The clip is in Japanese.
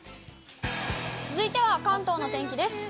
続いては関東のお天気です。